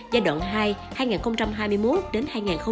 giai đoạn hai hai nghìn hai mươi một đến hai nghìn hai mươi năm